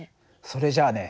それじゃあね